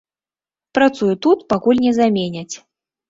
Працую тут, пакуль не заменяць.